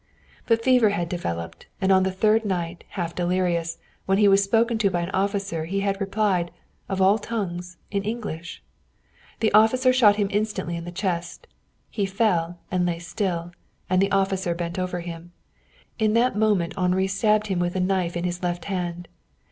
But fever had developed, and on the third night, half delirious, when he was spoken to by an officer he had replied, of all tongues, in English. The officer shot him instantly in the chest. He fell and lay still and the officer bent over him. In that moment Henri stabbed him with a knife in his left hand.